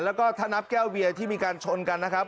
และถนับแก้วเบียที่มีการชนกันนะครับ